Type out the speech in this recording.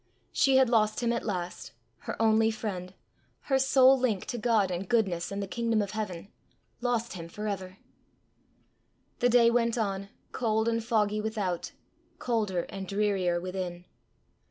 She had lost him at last her only friend! her sole link to God and goodness and the kingdom of heaven! lost him for ever! The day went on, cold and foggy without, colder and drearier within.